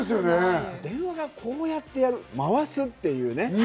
電話はこうやって回すっていうね。